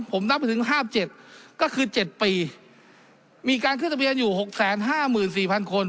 ผมนับถึงห้าเจ็ดก็คือเจ็ดปีมีการขึ้นทะเบียนอยู่หกแสนห้ามื่นสี่พันคน